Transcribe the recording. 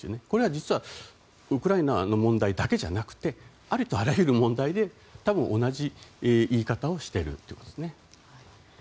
これは実はウクライナの問題だけじゃなくてありとあらゆる問題で同じ言い方をしていますね。